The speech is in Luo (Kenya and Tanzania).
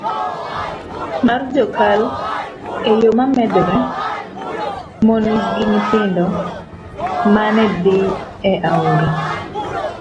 mar jokal e yo nomedore, mon gi nyithindo mane dhi e aora